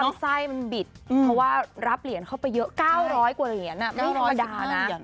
ไส้มันบิดเพราะว่ารับเหรียญเข้าไปเยอะ๙๐๐กว่าเหรียญไม่ธรรมดานะ